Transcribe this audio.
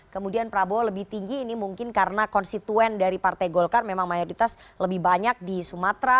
kemudian prabowo lebih tinggi ini mungkin karena konstituen dari partai golkar memang mayoritas lebih banyak di sumatera